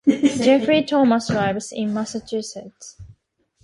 Jeffrey Thomas lives in Massachusetts.